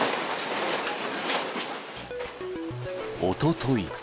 おととい。